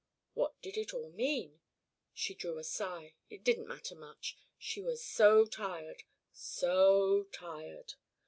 What did it all mean? She drew a sigh. It didn't matter much. She was so tired, so tired.